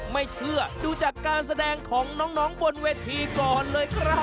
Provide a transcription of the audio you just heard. ไม่เชื่อดูจากการแสดงของน้องบนเวทีก่อนเลยครับ